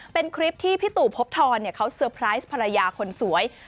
เป็นคลิปที่พี่ตู่พบทรเขาเซอร์ไพรส์ภรรยาคนสวย